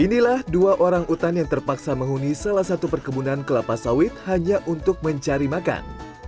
inilah dua orang utan yang terpaksa menghuni salah satu perkebunan kelapa sawit hanya untuk mencari makan